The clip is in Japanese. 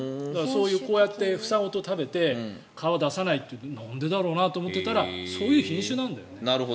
こうやって房ごと食べて皮を出さないというのはなんでだろうと思っていたらそういう品種なんだよね。